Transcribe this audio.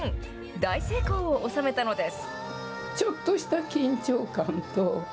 大成功を収めたのです。